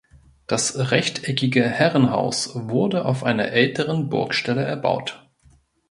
Das rechteckige Herrenhaus wurde auf einer älteren Burgstelle erbaut.